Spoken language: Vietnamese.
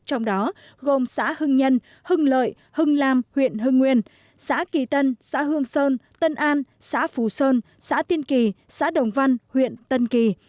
trong đó gồm xã hưng nhân hưng lợi hưng lam huyện hưng nguyên xã kỳ tân xã hương sơn tân an xã phú sơn xã tiên kỳ xã đồng văn huyện tân kỳ